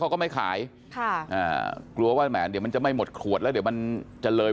เขาก็ไม่ขายกลัวว่ามันจะไม่หมดขวดแล้วเดี๋ยวมันจะเลย